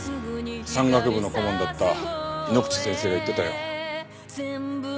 山岳部の顧問だった井ノ口先生が言ってたよ。